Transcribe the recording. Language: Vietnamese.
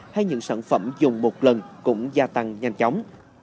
hay những sản phẩm dùng một lần cũng gia tăng